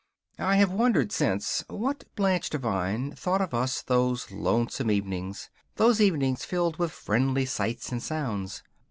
I have wondered since what Blanche Devine thought of us those lonesome evenings those evenings filled with friendly sights and sounds.